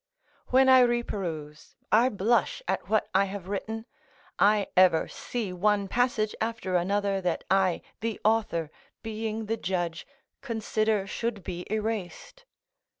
["When I reperuse, I blush at what I have written; I ever see one passage after another that I, the author, being the judge, consider should be erased."